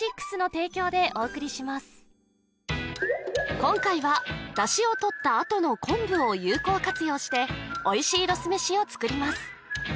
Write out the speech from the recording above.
今回はだしを取った後の昆布を有効活用しておいしいロスめしを作ります